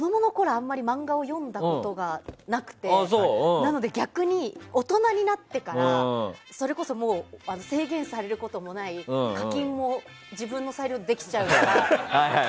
あまり漫画を読んだことがなくてなので、逆に大人になってからそれこそ制限されることもない課金も自分の裁量でできちゃうから。